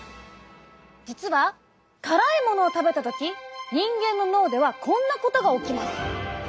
実は辛いものを食べた時人間の脳ではこんなことが起きます。